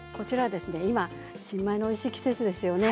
今、新米のおいしい季節ですよね。